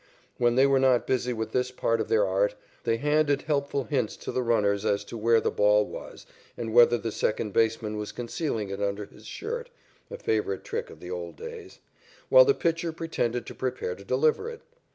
When they were not busy with this part of their art, they handed helpful hints to the runners as to where the ball was and whether the second baseman was concealing it under his shirt (a favorite trick of the old days), while the pitcher pretended to prepare to deliver it.